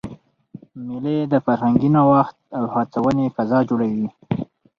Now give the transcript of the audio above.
مېلې د فرهنګي نوښت او هڅوني فضا جوړوي.